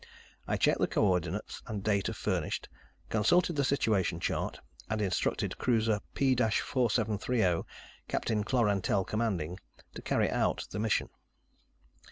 I checked the co ordinates and data furnished, consulted the situation chart, and instructed Cruiser P 4730, Captain Klorantel commanding, to carry out the mission.